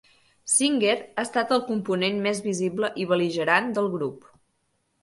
Singer ha estat el component més visible i bel·ligerant del grup.